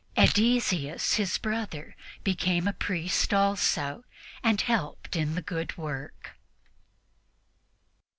Ædesius, his brother, became a priest also and helped in the good work.